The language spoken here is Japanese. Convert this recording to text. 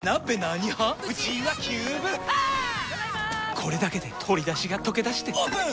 これだけで鶏だしがとけだしてオープン！